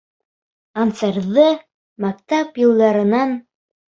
Ансарҙы... мәктәп йылдарынан...